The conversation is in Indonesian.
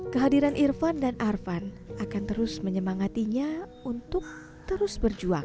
kehadiran irfan dan arvan akan terus menyemangatinya untuk terus berjuang